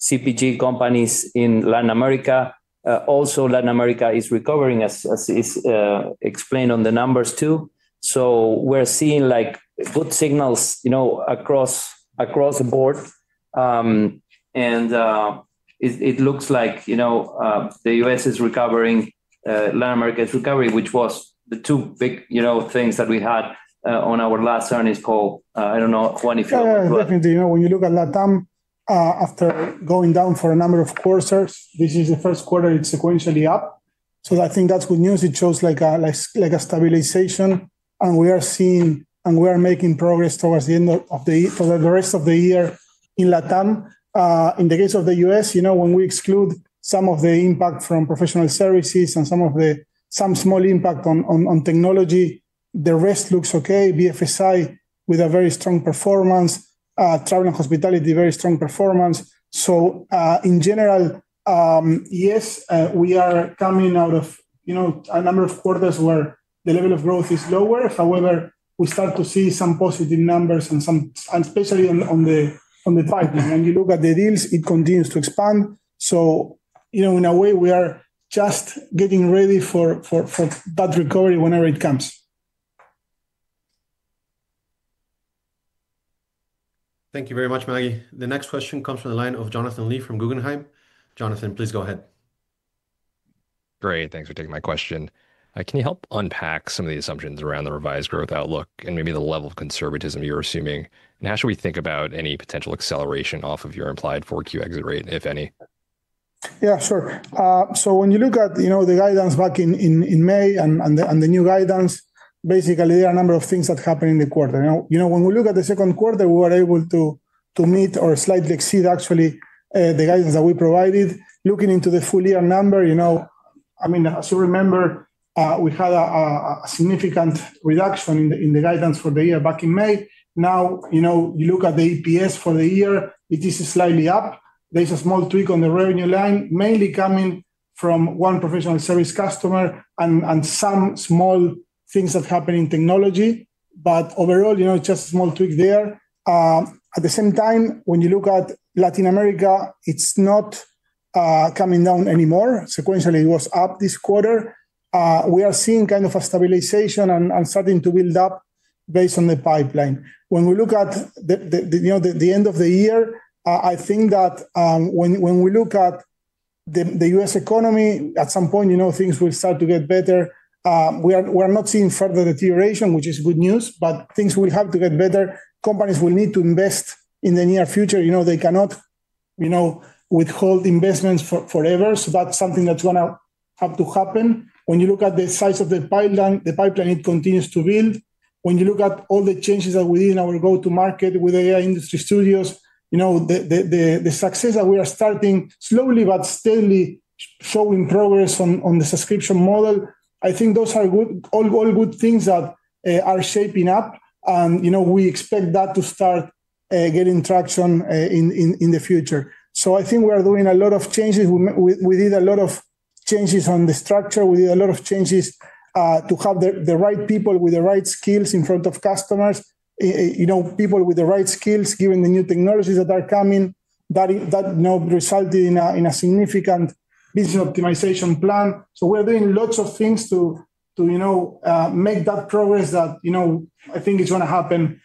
CPG companies in Latin America. Latin America is recovering, as is explained on the numbers, too. We are seeing good signals across the board. It looks like the U.S. is recovering, Latin America is recovering, which was the two big things that we had on our last earnings call. I don't know, Juan, if you want to. Yeah, yeah, definitely. When you look at Latin America, after going down for a number of quarters, this is the first quarter it's sequentially up. I think that's good news. It shows like a stabilization. We are seeing and we are making progress towards the end of the rest of the year in Latin America. In the case of the U.S., you know, when we exclude some of the impact from professional services and some small impact on technology, the rest looks okay. BFSI with a very strong performance. Travel and hospitality, very strong performance. In general, yes, we are coming out of a number of quarters where the level of growth is lower. However, we start to see some positive numbers, especially on the pipeline. You look at the deals, it continues to expand. In a way, we are just getting ready for that recovery whenever it comes. Thank you very much, Maggie. The next question comes from the line of Jonathan Lee from Guggenheim. Jonathan, please go ahead. Great. Thanks for taking my question. Can you help unpack some of the assumptions around the revised growth outlook and maybe the level of conservatism you're assuming? How should we think about any potential acceleration off of your implied 4Q exit rate, if any? Yeah, sure. When you look at the guidance back in May and the new guidance, basically, there are a number of things that happened in the quarter. When we look at the second quarter, we were able to meet or slightly exceed, actually, the guidance that we provided. Looking into the full year number, as you remember, we had a significant reduction in the guidance for the year back in May. Now, you look at the EPS for the year, it is slightly up. There's a small tweak on the revenue line, mainly coming from one professional service customer and some small things that happen in technology. Overall, it's just a small tweak there. At the same time, when you look at Latin America, it's not coming down anymore. Sequentially, it was up this quarter. We are seeing kind of a stabilization and starting to build up based on the pipeline. When we look at the end of the year, I think that when we look at the U.S. economy, at some point, things will start to get better. We are not seeing further deterioration, which is good news, but things will have to get better. Companies will need to invest in the near future. They cannot withhold investments forever. That's something that's going to have to happen. When you look at the size of the pipeline, it continues to build. When you look at all the changes that we did in our go-to-market with the AI industry studios, the success that we are starting slowly but steadily showing progress on the subscription model, I think those are all good things that are shaping up. We expect that to start getting traction in the future. I think we are doing a lot of changes. We did a lot of changes on the structure. We did a lot of changes to have the right people with the right skills in front of customers, people with the right skills, given the new technologies that are coming that resulted in a significant business optimization plan. We're doing lots of things to make that progress that I think is going to happen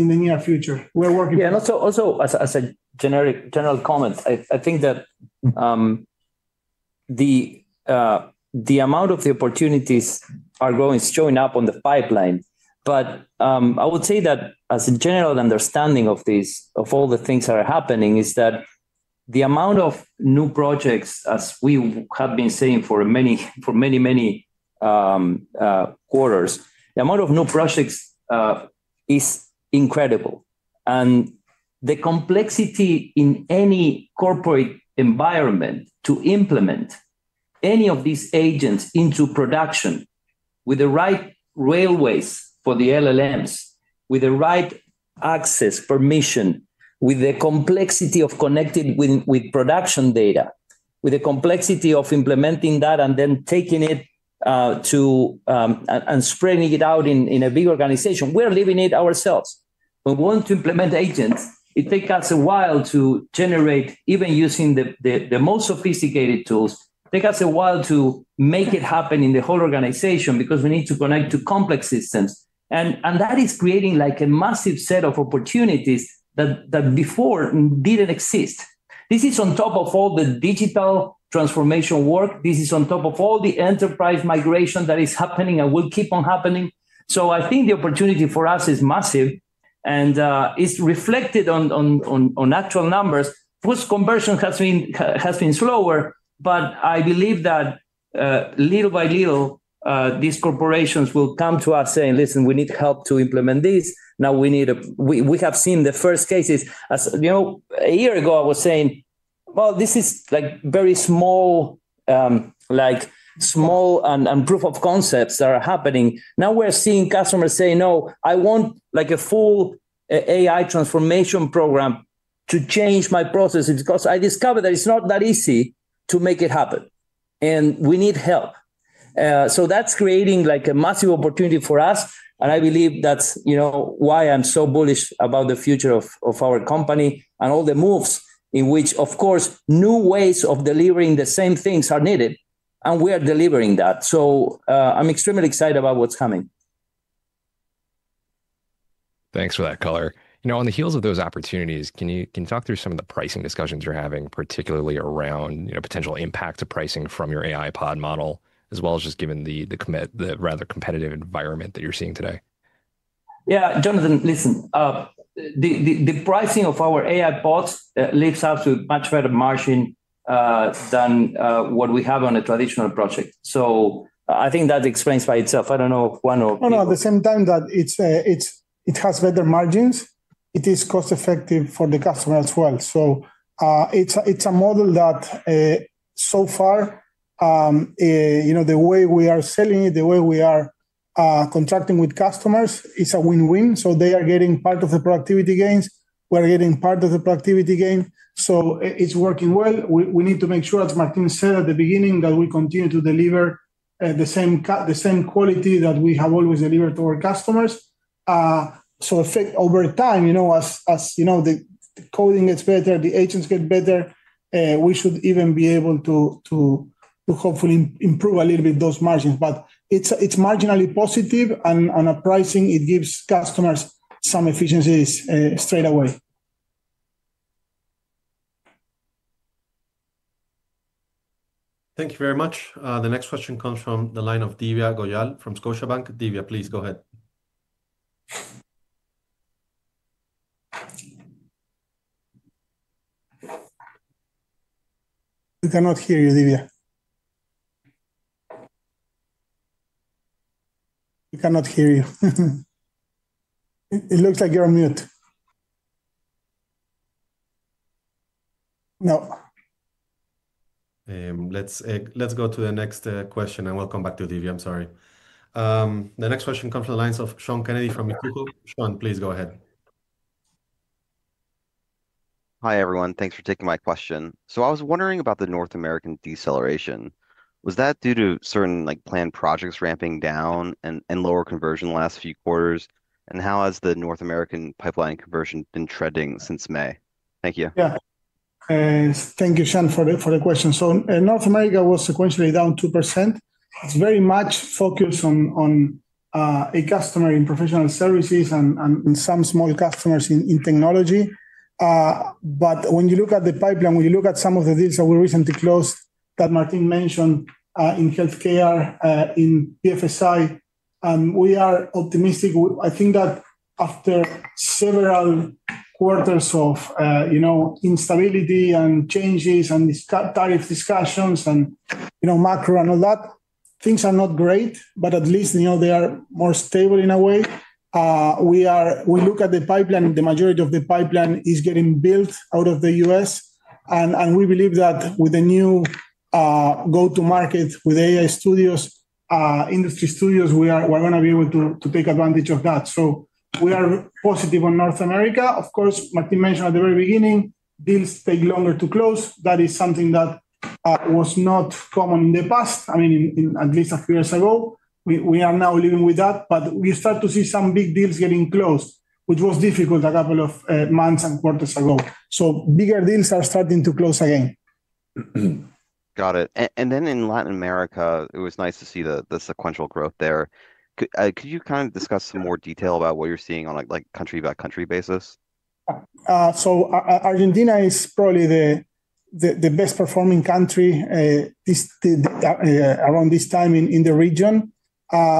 in the near future. Yeah, also, as a general comment, I think that the amount of the opportunities are growing is showing up on the pipeline. I would say that as a general understanding of all the things that are happening is that the amount of new projects, as we have been saying for many, many, many quarters, the amount of new projects is incredible. The complexity in any corporate environment to implement any of these agents into production with the right railways for the LLMs, with the right access permission, with the complexity of connecting with production data, with the complexity of implementing that and then taking it and spreading it out in a big organization, we're living it ourselves. We want to implement agents. It takes us a while to generate, even using the most sophisticated tools, it takes us a while to make it happen in the whole organization because we need to connect to complex systems. That is creating a massive set of opportunities that before didn't exist. This is on top of all the digital transformation work. This is on top of all the enterprise migration that is happening and will keep on happening. I think the opportunity for us is massive. It's reflected on actual numbers. Post-conversion has been slower, but I believe that little by little, these corporations will come to us saying, listen, we need help to implement this. Now we have seen the first cases. You know, a year ago, I was saying this is like very small and proof of concepts that are happening. Now we're seeing customers say, no, I want a full AI transformation program to change my processes because I discovered that it's not that easy to make it happen. We need help. That's creating a massive opportunity for us. I believe that's why I'm so bullish about the future of our company and all the moves in which, of course, new ways of delivering the same things are needed. We are delivering that. I'm extremely excited about what's coming. Thanks for that, Carolina. On the heels of those opportunities, can you talk through some of the pricing discussions you're having, particularly around potential impact to pricing from your AI-powered subscription model, as well as just given the rather competitive environment that you're seeing today? Yeah, Jonathan, listen. The pricing of our AI bots leaves us with much better margin than what we have on a traditional project. I think that explains by itself. I don't know, Juan. At the same time, it has better margins. It is cost-effective for the customer as well. It's a model that so far, the way we are selling it, the way we are contracting with customers is a win-win. They are getting part of the productivity gains. We're getting part of the productivity gain. It's working well. We need to make sure, as Martín said at the beginning, that we continue to deliver the same quality that we have always delivered to our customers. Over time, as the coding gets better, the agents get better, we should even be able to hopefully improve a little bit those margins. It's marginally positive. At pricing, it gives customers some efficiencies straight away. Thank you very much. The next question comes from the line of Divya Goyal from Scotiabank. Divya, please go ahead. We cannot hear you, Divya. It looks like you're on mute. No. Let's go to the next question, and we'll come back to Divya. I'm sorry. The next question comes from the lines of Sean Kennedy from Mizuho. Sean, please go ahead. Hi, everyone. Thanks for taking my question. I was wondering about the North American deceleration. Was that due to certain planned projects ramping down and lower conversion the last few quarters? How has the North American pipeline conversion been trending since May? Thank you. Thank you, Sean, for the question. North America was sequentially down 2%. It's very much focused on a customer in professional services and some small customers in technology. When you look at the pipeline, when you look at some of the deals that we recently closed that Martín mentioned in healthcare, in PFSI, we are optimistic. I think that after several quarters of instability and changes and tariff discussions and macro and all that, things are not great, but at least they are more stable in a way. We look at the pipeline. The majority of the pipeline is getting built out of the U.S., and we believe that with the new go-to-market with AI studios, industry studios, we're going to be able to take advantage of that. We are positive on North America. Of course, Martín mentioned at the very beginning, deals take longer to close. That is something that was not common in the past. At least a few years ago, we are now living with that. We start to see some big deals getting closed, which was difficult a couple of months and quarters ago. Bigger deals are starting to close again. Got it. In Latin America, it was nice to see the sequential growth there. Could you kind of discuss some more detail about what you're seeing on a country-by-country basis? Argentina is probably the best-performing country around this time in the region.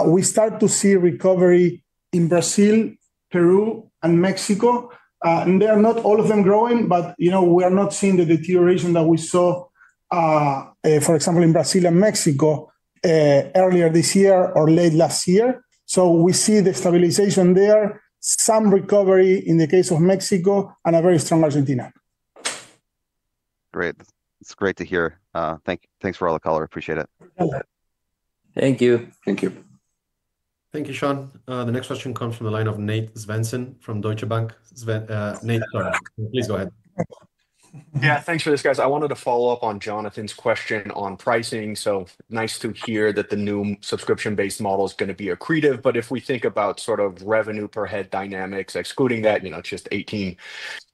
We start to see recovery in Brazil, Peru, and Mexico. They are not all of them growing, but we are not seeing the deterioration that we saw, for example, in Brazil and Mexico earlier this year or late last year. We see the stabilization there, some recovery in the case of Mexico, and a very strong Argentina. Great. It's great to hear. Thanks for all the color. Appreciate it. Thank you. Thank you. Thank you, Sean. The next question comes from the line of Nate Svensson from Deutsche Bank. Nate, sorry, please go ahead. Yeah, thanks for this, guys. I wanted to follow up on Jonathan's question on pricing. Nice to hear that the new subscription-based model is going to be accretive. If we think about sort of revenue per head dynamics, excluding that, you know, just 18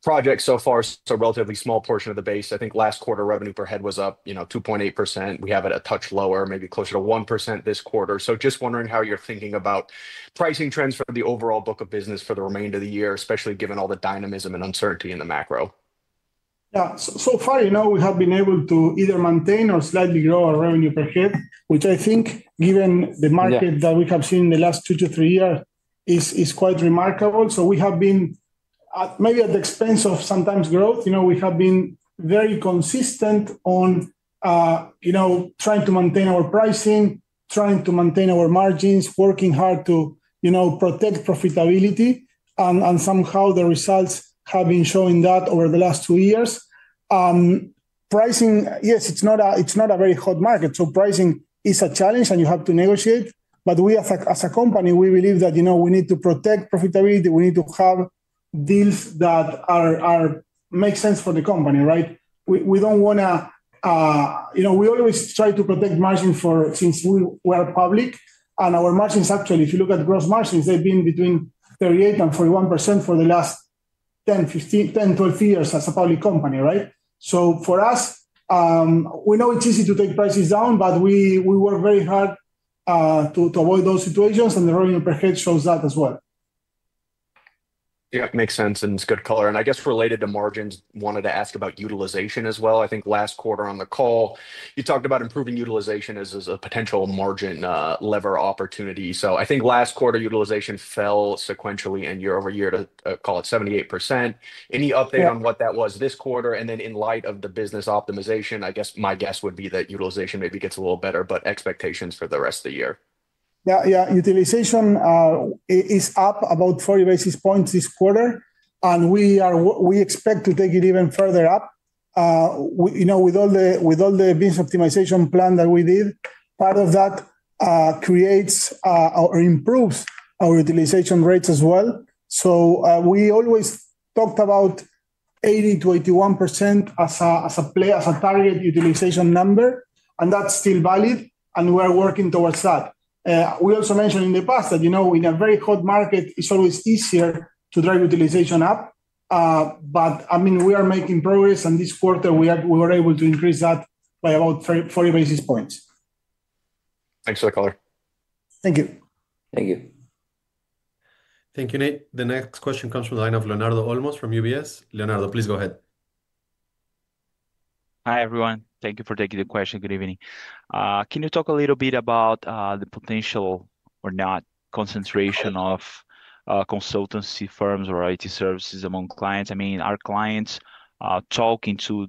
projects so far, so a relatively small portion of the base. I think last quarter revenue per head was up 2.8%. We have it a touch lower, maybe closer to 1% this quarter. Just wondering how you're thinking about pricing trends for the overall book of business for the remainder of the year, especially given all the dynamism and uncertainty in the macro. Yeah. So far, we have been able to either maintain or slightly grow our revenue per head, which I think, given the market that we have seen in the last two to three years, is quite remarkable. We have been, maybe at the expense of sometimes growth, very consistent on trying to maintain our pricing, trying to maintain our margins, working hard to protect profitability. Somehow, the results have been showing that over the last two years. Pricing, yes, it's not a very hot market. Pricing is a challenge, and you have to negotiate. As a company, we believe that we need to protect profitability. We need to have deals that make sense for the company, right? We don't want to, you know, we always try to protect margins since we are public. Our margins, actually, if you look at gross margins, they've been between 38% and 41% for the last 10 years, 12 years as a public company, right? For us, we know it's easy to take prices down, but we work very hard to avoid those situations. The revenue per head shows that as well. Yeah, it makes sense. It's good color. I guess related to margins, I wanted to ask about utilization as well. I think last quarter on the call, you talked about improving utilization as a potential margin lever opportunity. I think last quarter, utilization fell sequentially and year over year to call it 78%. Any update on what that was this quarter? In light of the business optimization, I guess my guess would be that utilization maybe gets a little better, but expectations for the rest of the year. Yeah, yeah. Utilization is up about 40 basis points this quarter, and we expect to take it even further up. You know, with all the business optimization plan that we did, part of that creates or improves our utilization rates as well. We always talked about 80%-81% as a target utilization number, and that's still valid. We're working towards that. We also mentioned in the past that, you know, in a very hot market, it's always easier to drive utilization up. I mean, we are making progress, and this quarter, we were able to increase that by about 40 basis points. Thanks for that, Carolina. Thank you. Thank you. Thank you, Nate. The next question comes from the line of Leonardo Olmos from UBS. Leonardo, please go ahead. Hi, everyone. Thank you for taking the question. Good evening. Can you talk a little bit about the potential or not concentration of consultancy firms or IT services among clients? I mean, are clients talking to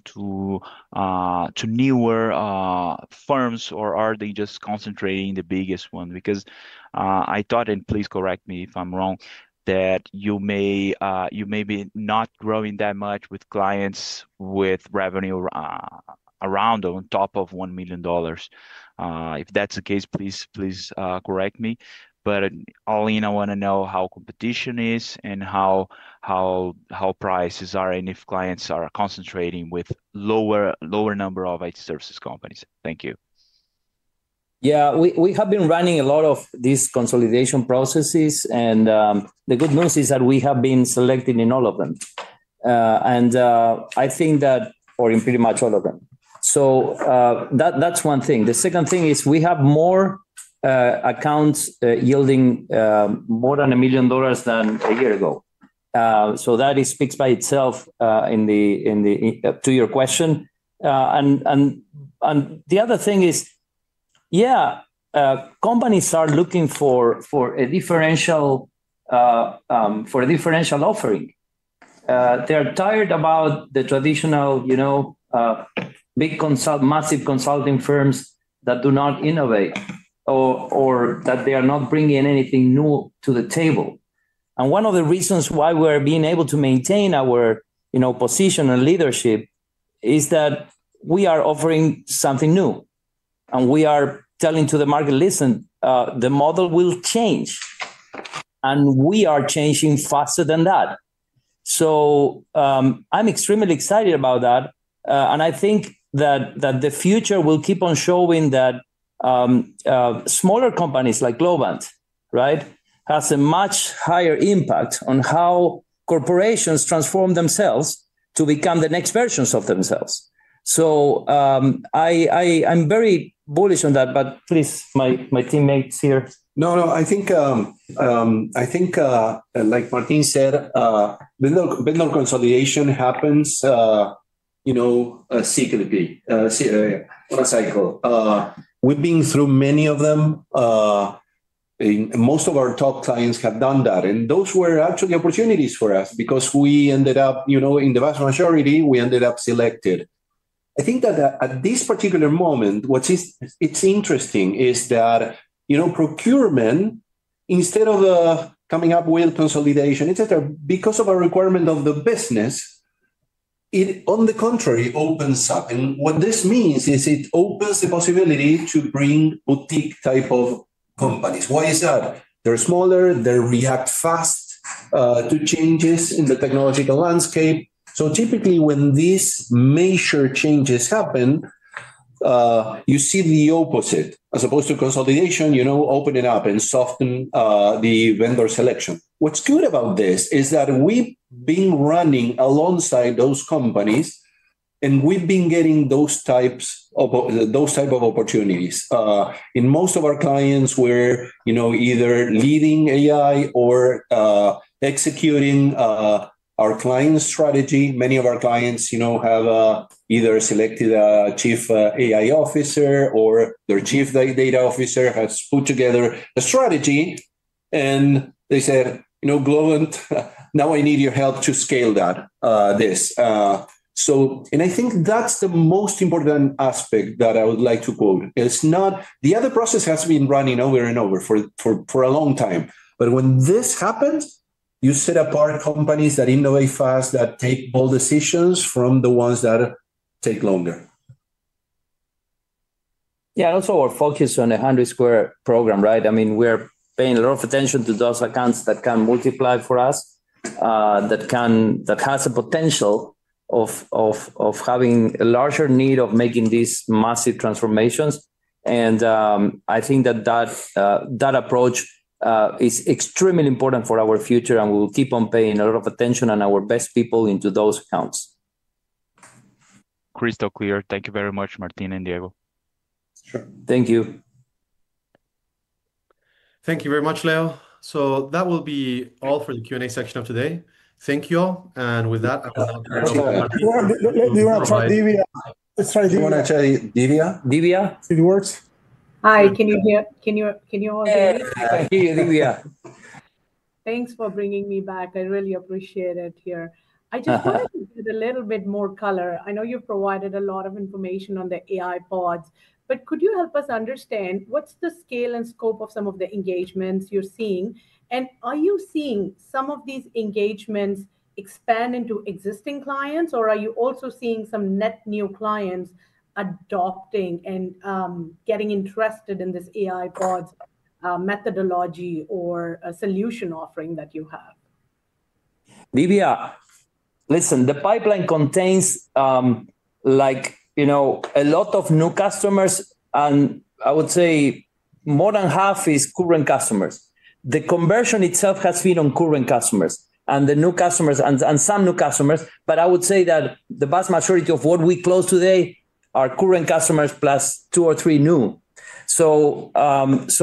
newer firms, or are they just concentrating on the biggest one? I thought, and please correct me if I'm wrong, that you may be not growing that much with clients with revenue around on top of $1 million. If that's the case, please correct me. All in, I want to know how competition is and how prices are and if clients are concentrating with a lower number of IT services companies. Thank you. Yeah, we have been running a lot of these consolidation processes. The good news is that we have been selected in all of them, or in pretty much all of them. That's one thing. The second thing is we have more accounts yielding more than $1 million than a year ago. That is fixed by itself to your question. The other thing is, yeah, companies are looking for a differential offering. They're tired about the traditional, you know, big consult, massive consulting firms that do not innovate or that they are not bringing anything new to the table. One of the reasons why we're being able to maintain our position and leadership is that we are offering something new. We are telling to the market, listen, the model will change. We are changing faster than that. I'm extremely excited about that. I think that the future will keep on showing that smaller companies like Globant have a much higher impact on how corporations transform themselves to become the next versions of themselves. I'm very bullish on that. Please, my teammates here. I think, like Martín said, when the consolidation happens, you know, cyclically, on a cycle. We've been through many of them. Most of our top clients have done that. Those were actually opportunities for us because we ended up, you know, in the vast majority, we ended up selected. I think that at this particular moment, what's interesting is that, you know, procurement, instead of coming up with consolidation, et cetera, because of a requirement of the business, it, on the contrary, opens up. What this means is it opens the possibility to bring boutique type of compacts. Why is that? They're smaller. They react fast to changes in the technological landscape. Typically, when these major changes happen, you see the opposite. As opposed to consolidation, you know, open it up and soften the vendor selection. What's good about this is that we've been running alongside those companies. We've been getting those types of opportunities. In most of our clients, we're either leading AI or executing our client's strategy. Many of our clients have either selected a Chief AI Officer or their Chief Data Officer has put together a strategy. They say, you know, Globant, now I need your help to scale this. I think that's the most important aspect that I would like to quote. The other process has been running over and over for a long time. When this happens, you set apart companies that innovate fast, that take bold decisions from the ones that take longer. Yeah, also, our focus on the 100-square program, right? I mean, we're paying a lot of attention to those accounts that can multiply for us, that have the potential of having a larger need of making these massive transformations. I think that approach is extremely important for our future. We'll keep on paying a lot of attention and our best people into those accounts. Crystal clear. Thank you very much, Martín and Diego. Sure. Thank you. Thank you very much, Leo. That will be all for the Q&A section of today. Thank you all. With that, I will now turn it over to Martín. Let's try to. You want to try, Divya? Divya? Divya? Divya works. Hi. Can you hear me? Can you all hear me? Yes, I hear you, Divya. Thanks for bringing me back. I really appreciate it here. I just wanted to give it a little bit more color. I know you've provided a lot of information on the AI pods. Could you help us understand what's the scale and scope of some of the engagements you're seeing? Are you seeing some of these engagements expand into existing clients? Are you also seeing some net new clients adopting and getting interested in this AI pods methodology or solution offering that you have? Divya, listen, the pipeline contains a lot of new customers. I would say more than half are current customers. The conversion itself has been on current customers and the new customers and some new customers. I would say that the vast majority of what we close today are current customers plus two or three new. It's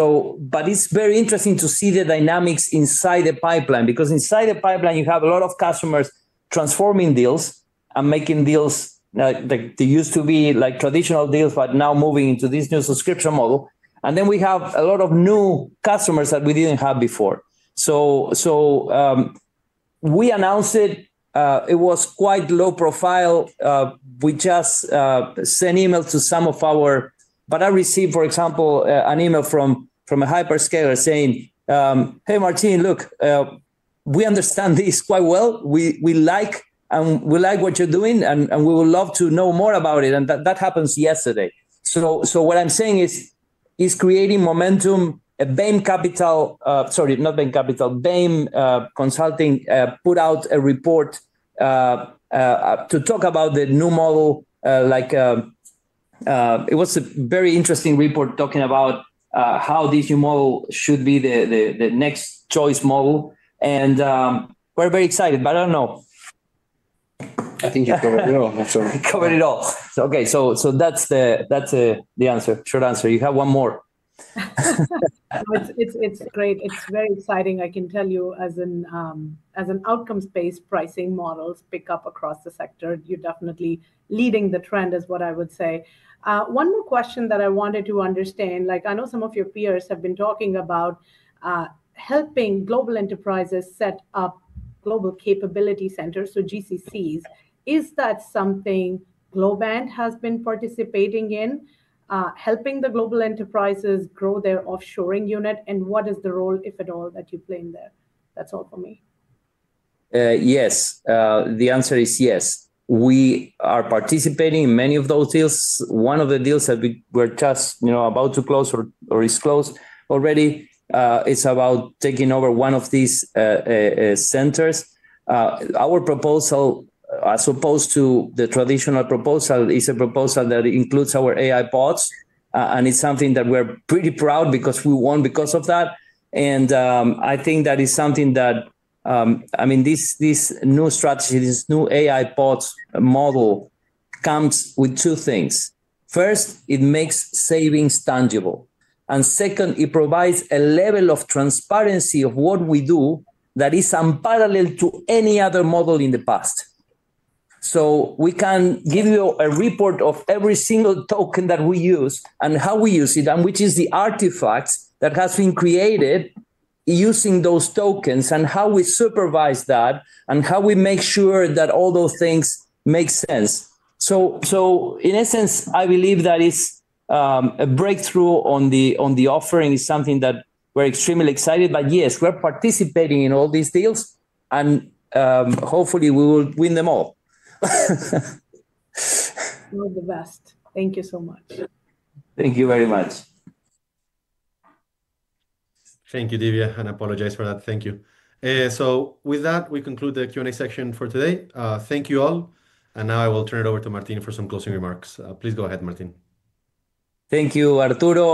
very interesting to see the dynamics inside the pipeline because inside the pipeline, you have a lot of customers transforming deals and making deals that used to be like traditional deals, but now moving into this new AI-powered subscription model. We have a lot of new customers that we didn't have before. We announced it. It was quite low profile. We just sent emails to some of our customers. I received, for example, an email from a hyperscaler saying, hey, Martín, look, we understand this quite well. We like what you're doing. We would love to know more about it. That happened yesterday. What I'm saying is it's creating momentum. Bain Consulting put out a report to talk about the new model. It was a very interesting report talking about how this new model should be the next choice model. We're very excited. I don't know. I think you've covered it all. We've covered it all. okay, that's the answer, short answer. You have one more. It's great. It's very exciting. I can tell you, as an outcome-based pricing model picks up across the sector, you're definitely leading the trend, is what I would say. One more question that I wanted to understand. I know some of your peers have been talking about helping global enterprises set up global capability centers, so GCCs. Is that something Globant has been participating in, helping the global enterprises grow their offshoring unit? What is the role, if at all, that you play in there? That's all for me. Yes. The answer is yes. We are participating in many of those deals. One of the deals that we're just about to close or is closed already is about taking over one of these centers. Our proposal, as opposed to the traditional proposal, is a proposal that includes our AI pods. It's something that we're pretty proud of because we won because of that. I think that is something that, I mean, this new strategy, this new AI pods model, comes with two things. First, it makes savings tangible. Second, it provides a level of transparency of what we do that is unparalleled to any other model in the past. We can give you a report of every single token that we use and how we use it, and which is the artifact that has been created using those tokens and how we supervise that and how we make sure that all those things make sense. In essence, I believe that it's a breakthrough on the offering. It's something that we're extremely excited about. Yes, we're participating in all these deals. Hopefully, we will win them all. You're the best. Thank you so much. Thank you very much. Thank you, Divya, and I apologize for that. Thank you. With that, we conclude the Q&A section for today. Thank you all. I will turn it over to Martín for some closing remarks. Please go ahead, Martín. Thank you, Arturo.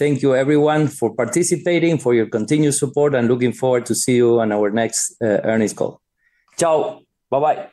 Thank you, everyone, for participating, for your continued support. Looking forward to seeing you on our next earnings call. Ciao. Bye-bye.